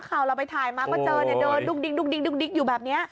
ข่าวเราไปถ่ายมาก็เจอเนี่ยเดินดุกอยู่แบบนี้